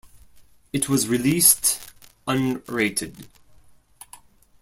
It was released unrated.